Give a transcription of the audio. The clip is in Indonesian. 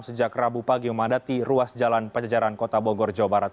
sejak rabu pagi memandati ruas jalan paja jalan kota bogor jawa barat